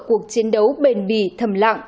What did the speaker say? cuộc chiến đấu bền bỉ thầm lặng